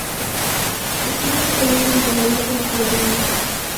Estudió en el Colegio Villa María de la ciudad de Lima.